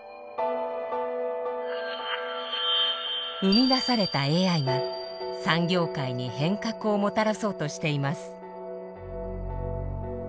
生み出されたＡＩは産業界に変革をもたらそうとしています。